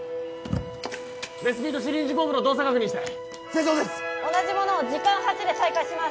レスピとシリンジポンプの動作確認して正常です同じものを時間８で再開します